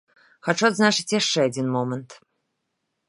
Хачу адзначыць яшчэ адзін момант.